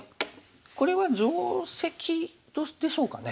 これは定石でしょうかね？